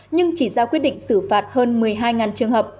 nhưng chỉ ra quyết định xử phạt hơn một mươi hai trường hợp